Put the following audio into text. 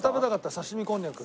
刺身こんにゃく。